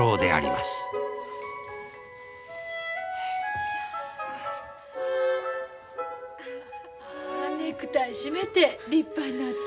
まあネクタイ締めて立派になって。